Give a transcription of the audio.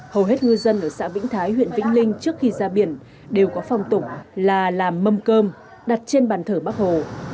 hầu hết ngư dân ở xã vĩnh thái huyện vĩnh linh trước khi ra biển đều có phòng tủng là làm mâm cơm đặt trên ban thờ bác hồ